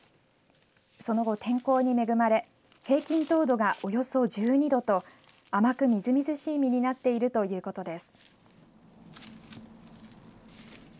その後、天候に恵まれ平均糖度がおよそ１２度と甘くみずみずしい実になっているということです。